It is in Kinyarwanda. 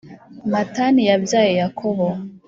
Matani yabyaye Yakobo